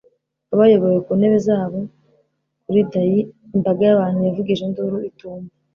bayobowe ku ntebe zabo kuri dais. imbaga y'abantu yavugije induru itumva